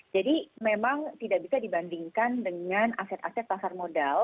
jadi memang tidak bisa dibandingkan dengan aset aset pasar modal